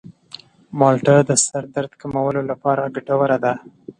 مالټه د سر درد کمولو لپاره ګټوره ده.